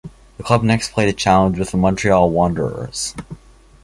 The club next played a challenge with the Montreal Wanderers.